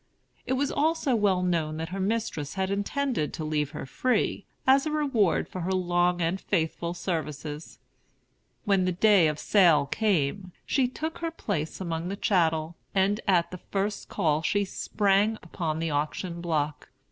It was also well known that her mistress had intended to leave her free, as a reward for her long and faithful services. When the day of sale came, she took her place among the chattels, and at the first call she sprang upon the auction block.